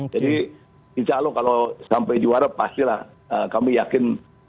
jadi insya allah kalau sampai juara pastilah kami yakin